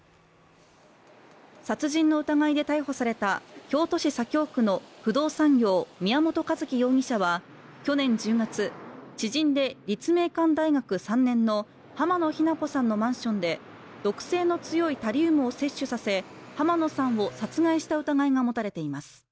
殺人の疑いで逮捕された京都市左京区の不動産業、宮本一希容疑者は去年１０月、知人で立命館大学３年の濱野日菜子さんのマンションで毒性の強いタリウムを摂取させ濱野さんを殺害した疑いが持たれています。